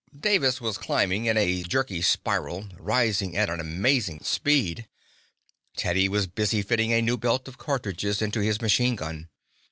Davis was climbing in a jerky spiral, rising at an amazing speed. Teddy was busily fitting a new belt of cartridges into his machine gun.